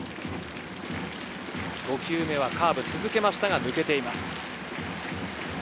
５球目はカーブを続けましたが抜けています。